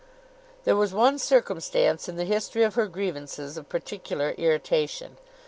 There was one circumstance in the history of her grievances of particular irritation.